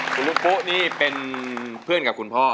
คุณลุงปุ๊นี่เป็นเพื่อนกับคุณพ่อ